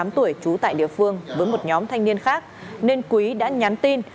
một mươi tám tuổi trú tại địa phương với một nhóm thanh niên khác nên quý đã nhắn tin